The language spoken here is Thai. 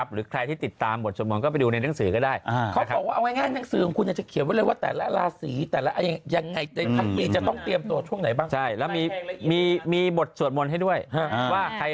หรือใครที่ติดตามบทสวดมนต์ก็ไปดูในหนังสือก็ได้